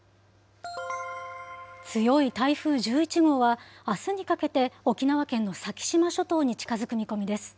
強い台風１１号は、あすにかけて沖縄県の先島諸島に近づく見込みです。